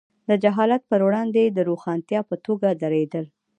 د جهالت پر وړاندې د روښانتیا په توګه درېدل.